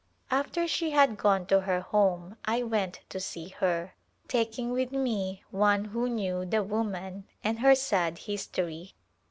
After she had gone to her home I went to see her, taking with me one who knew the woman and her sad history.